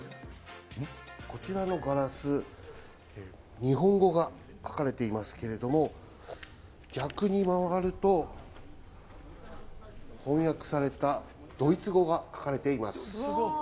こちらのガラス、日本語が書かれていますけれども、逆に回ると、翻訳されたドイツ語が書かれています。